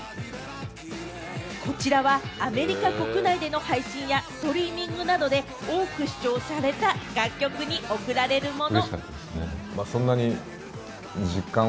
こちらはアメリカ国内での配信やストリーミングなどで多く視聴された楽曲に贈られるもの。